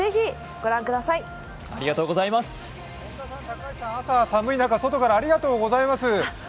本田さん、高橋さん、朝、寒い中、外からありがとうございます。